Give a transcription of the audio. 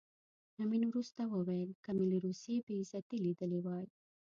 امیر وروسته وویل که مې له روسیې بې عزتي لیدلې وای.